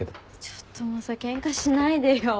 ちょっともうさケンカしないでよ。